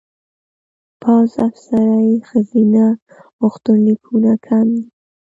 پوځ افسرۍ ښځینه غوښتنلیکونه کم دي.